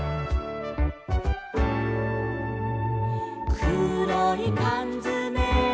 「くろいかんづめ」